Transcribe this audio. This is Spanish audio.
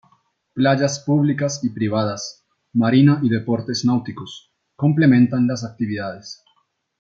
Playas públicas y privadas, marina y deportes náuticos, complementan las actividades.